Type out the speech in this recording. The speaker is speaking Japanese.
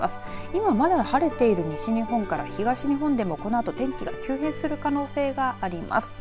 今まだ晴れている西日本から東日本でもこのあと天気が急変する可能性があります。